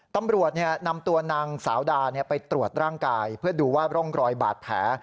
ตำรวจนำตัวนางสาวดาไปตรวจร่างกายเพื่อดูว่าร่องรอยบาดแผล